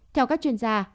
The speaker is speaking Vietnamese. theo các chuyên gia